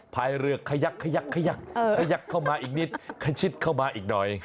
พายเรือขยักขยักขยักขยักเข้ามาอีกนิดขชิดเข้ามาอีกหน่อย